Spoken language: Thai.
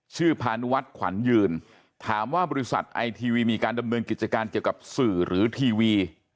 พานุวัฒน์ขวัญยืนถามว่าบริษัทไอทีวีมีการดำเนินกิจการเกี่ยวกับสื่อหรือทีวี